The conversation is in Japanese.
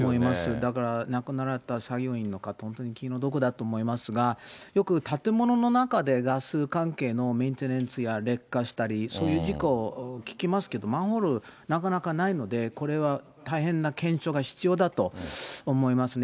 だから亡くなられた作業員の方、本当に気の毒だと思いますが、よく建物の中でガス関係のメンテナンスや劣化したり、そういう事故、聞きますけれども、マンホール、なかなかないので、これは大変な検証が必要だと思いますね。